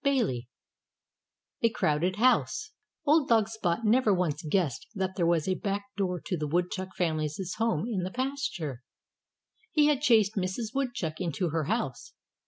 XVIII A CROWDED HOUSE Old dog Spot never once guessed that there was a back door to the Woodchuck family's home in the pasture. He had chased Mrs. Woodchuck into her house.